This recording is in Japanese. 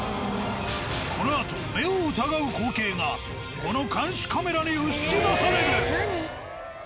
このあと目を疑う光景がこの監視カメラに映し出される！